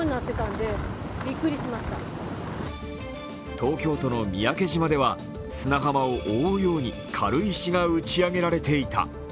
東京都の三宅島では砂浜を覆うように軽石が打ち上げられていた。